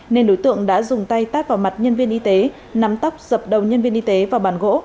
nên đối tượng đã dùng tay tát vào mặt nhân viên y tế nắm tóc dập đầu nhân viên y tế và bàn gỗ